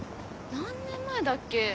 何年前だっけ？